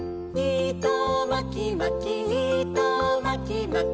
「いとまきまきいとまきまき」